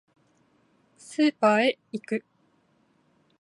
スーパーへ行く